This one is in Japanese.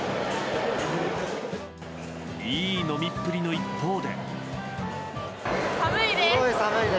いい飲みっぷりの一方で。